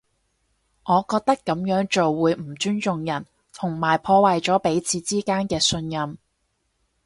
我覺得噉樣做會唔尊重人，同埋破壞咗彼此之間嘅信任